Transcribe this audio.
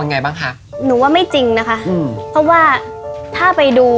ไงบ้างคะหนูว่าไม่จริงนะคะอืมเพราะว่าถ้าไปดู